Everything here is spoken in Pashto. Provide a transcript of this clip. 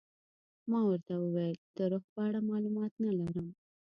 ما ورته وویل د روح په اړه معلومات نه لرم.